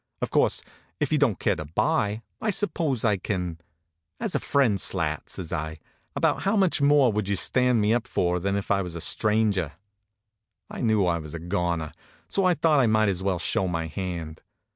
Of course, if you don t care to buy, I suppose I can " As a friend, Slat," says I, " about how much more would you stand me up for than if I was a stranger? " I knew I was a goner; so I thought I might as well show my hand.